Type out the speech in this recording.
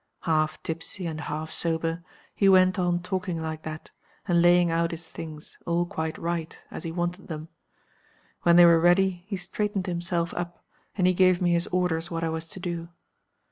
_ Half tipsy and half sober, he went on talking like that, and laying out his things, all quite right, as he wanted them. When they were ready he straightened himself up, and he gave me his orders what I was to do.